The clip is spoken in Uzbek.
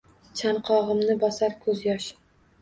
Chanqogʼimni bosar koʼz yosh.